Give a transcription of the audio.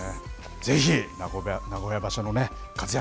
ぜひ名古屋場所の活躍